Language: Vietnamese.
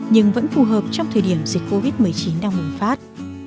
nhưng vẫn phù hợp trong thời điểm dịch covid một mươi chín đang bùng phát